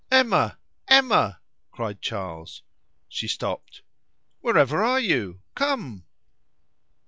"Emma! Emma!" cried Charles. She stopped. "Wherever are you? Come!"